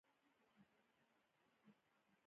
غیر مترقبه پیښې او تحصیل هم لاملونه دي.